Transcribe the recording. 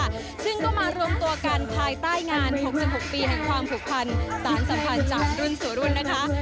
ซึ่งก็มารวมตัวกันภายใต้งาน๖๖ปีแห่งความผูกพันสารสัมพันธ์จากรุ่นสู่รุ่นนะคะ